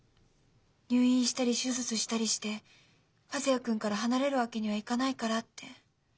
入院したり手術したりして和也君から離れるわけにはいかないからって。